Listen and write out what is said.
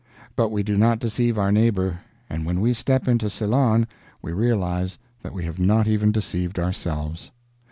But we do not deceive our neighbor; and when we step into Ceylon we realize that we have not even deceived ourselves.